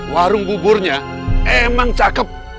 warung buburnya emang cakep